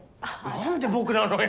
何で僕なのよ。